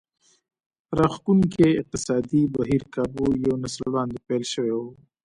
راښکوونکی اقتصادي بهير کابو یو نسل وړاندې پیل شوی و